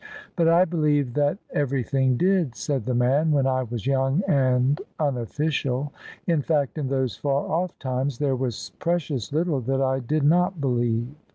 "But I believed that everything did," said the man, *^when I was young and unoflScial. In fact in those far oflE times there was precious little that I did not believe."